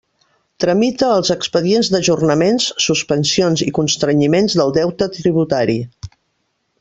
Tramita els expedients d'ajornaments, suspensions i constrenyiments del deute tributari.